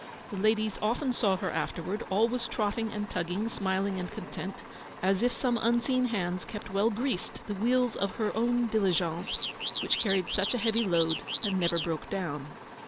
The ladies often saw her afterward, always trotting and tugging, smiling and content, as if some unseen hands kept well greased the wheels of her own diligence, which carried such a heavy load and never broke down.